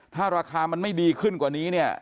ถ้าราคามันไม่ดีขึ้นกว่านี้เนี่ย